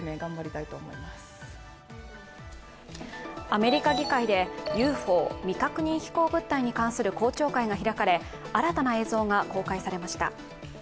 アメリカ議会でＵＦＯ＝未確認飛行物体に関する公聴会が開かれ新たな映像が公開されました。